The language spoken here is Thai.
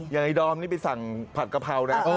อย่างไอดอมนี่ไปสั่งผัดกะเพรานะ